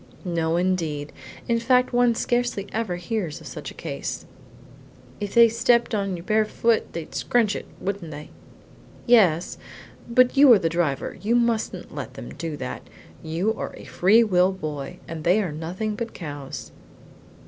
"No indeed, in fact one scarcely ever hears of such a case." "If they stepped on your bare foot they'd scrunch it, wouldn't they?" "Yes, but you are the driver; you mustn't let them do that; you are a free will boy, and they are nothing but cows."